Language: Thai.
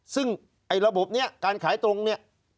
ซึ่งไอ้ระบบนี้การขายตรงเนี่ย